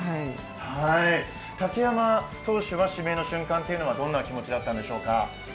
竹山投手は指名の瞬間はどんな気持ちだったんでしょうか？